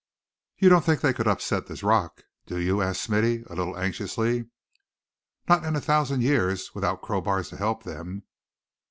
"You don't think they could upset this rock, do you?" asked Smithy, a little anxiously. "Not in a thousand years, without crowbars to help them.